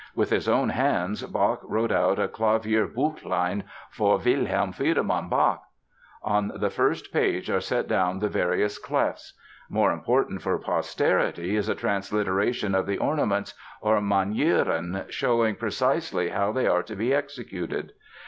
With his own hands Bach wrote out a Clavier Büchlein vor Wilhelm Friedemann Bach. On the first page are set down the various clefs. More important for posterity is a transliteration of the ornaments, or "Manieren," showing precisely how they are to be executed.